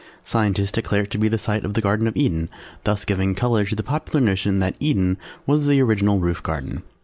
Scientists declare it to be the site of the Garden of Eden, thus giving colour to the popular notion that Eden was the original Roof Garden.